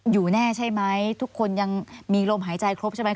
อยู่แน่ใช่ไหมทุกคนยังมีลมหายใจครบใช่ไหม